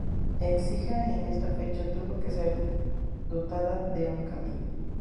Écija en esta fecha tuvo que ser dotada de un Cadí.